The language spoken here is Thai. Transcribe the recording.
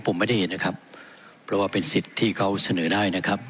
ผมไม่ได้เห็นนะครับเพราะว่าเป็นสิทธิ์ที่เขาเสนอได้นะครับ